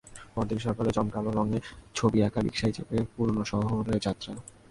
পরদিন সকালে জমকালো রঙে ছবি আঁকা রিকশায় চেপে পুরোনো শহরে যাত্রা।